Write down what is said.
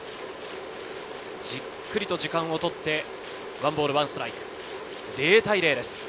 じっくり時間を取って、１ボール１ストライク、０対０です。